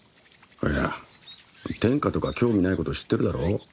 いや天下とか興味ないこと知ってるだろう。